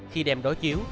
khi đem đối chiếu